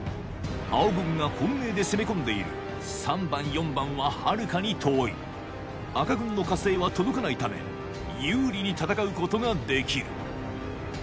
青軍が本命で攻め込んでいる３番４番ははるかに遠い赤軍の加勢は届かないため有利に戦うことができる